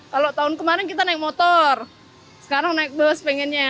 kalau tahun kemarin kita naik motor sekarang naik bus pengennya